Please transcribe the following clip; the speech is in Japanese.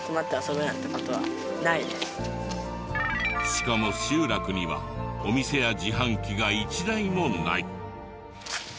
しかも集落にはお店や自販機が１台もない。